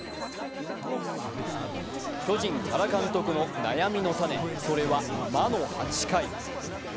巨人・原監督の悩みの種、それは魔の８回。